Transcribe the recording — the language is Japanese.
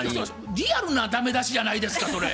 リアルな駄目出しじゃないですかそれ。